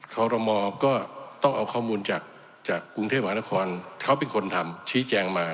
ขอรมอก็ต้องเอาข้อมูลจากกรุงเทพมหานครเขาเป็นคนทำชี้แจงมา